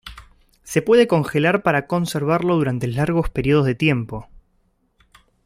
Se puede congelar para conservarlo durante largos periodos de tiempo.